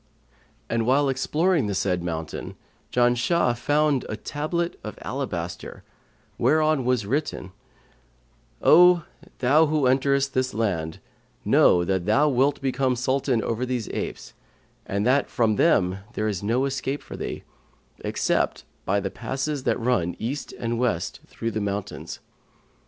And while exploring the said mountain Janshah found a tablet of alabaster, whereon was written, 'O thou who enterest this land, know that thou wilt become Sultan over these apes and that from them there is no escape for thee, except by the passes that run east and west through the mountains.